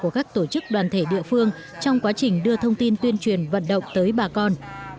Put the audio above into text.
của các tổ chức đoàn thể địa phương trong quá trình đưa thông tin tuyên truyền vận động tới bà con